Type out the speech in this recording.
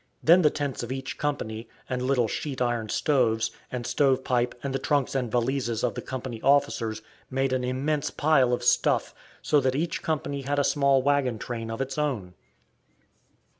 Then the tents of each company, and little sheet iron stoves, and stove pipe, and the trunks and valises of the company officers, made an immense pile of stuff, so that each company had a small wagon train of its own.